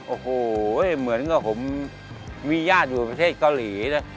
โอ้โหเหมือนกับผมมีญาติอยู่ประเทศเกาหลีเลย